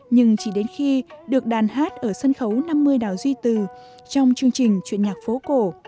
nhưng chỉ đến khi được đàn hát ở sân khấu năm mươi đào duy từ trong chương trình chuyện nhạc phố cổ